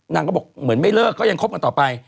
นางก็บอกเหมือนไม่เลิกก็ยังคบกันต่อไป